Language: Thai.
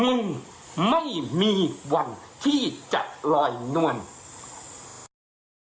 มึงไม่มีวันที่จะรอยน้วน